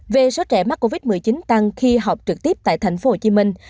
về số trẻ mắc covid một mươi chín tăng khi họp trực tiếp tại thành phố hồ chí minh